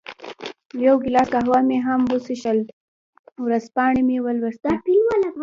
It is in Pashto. یو ګیلاس قهوه مې هم وڅېښل، ورځپاڼې مې ولوستې.